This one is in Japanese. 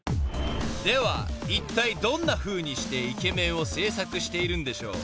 ではいったいどんなふうにしてイケメンを製作しているんでしょう］